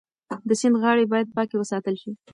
د سیند غاړې باید پاکې وساتل شي.